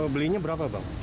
belinya berapa bang